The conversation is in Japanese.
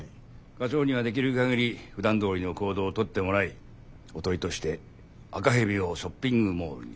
課長にはできる限りふだんどおりの行動をとってもらいおとりとして赤蛇をショッピングモールに誘い出す。